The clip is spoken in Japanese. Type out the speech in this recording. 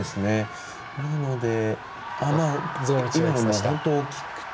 なので、今のは大きくて。